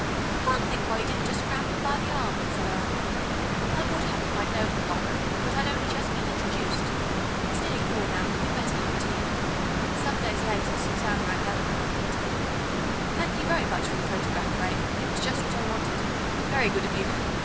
"I can't think why you didn't grab him by the arm," said Eleanor; "I would have if I'd known him longer, but I'd only just been introduced. It's nearly four now, we'd better have tea." Some days later Suzanne rang Eleanor up on the telephone. "Thank you very much for the photograph frame. It was just what I wanted. Very good of you.